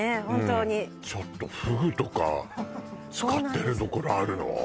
本当にちょっとフグとか使ってるところあるの？